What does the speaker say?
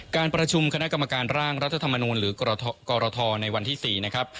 การประชุมคณะกรรมการร่างรัฐธรรมนูลหรือกรทในวันที่๔นะครับ